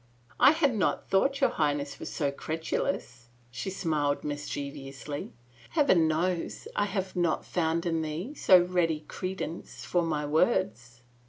" I had not thought your Highness was so credulous," 88 CALUMNY she smiled mischievously. " Heaven knows I have not found in thee so ready credence for my words